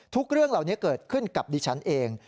เรื่องเหล่านี้เกิดขึ้นกับดิฉันเอง